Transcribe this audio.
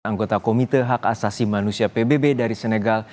anggota komite hak asasi manusia pbb dari senegal